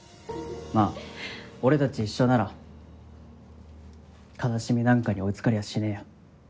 まぁ俺たち一緒なら悲しみなんかに追い付かれやしねえよ。